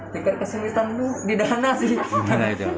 tingkat kesulitan itu di dana sih